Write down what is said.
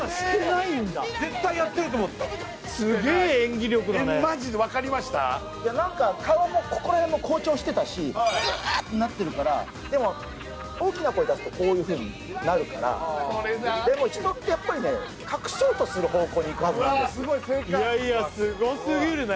いや何か顔もここら辺も紅潮してたしううってなってるからでも大きな声出すとこういうふうになるからでも人ってやっぱりね隠そうとする方向にいくはずなんですうわ